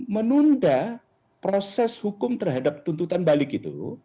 menunda proses hukum terhadap tuntutan balik itu